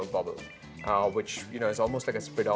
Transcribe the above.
dan anda pergi ke aplikasi lainnya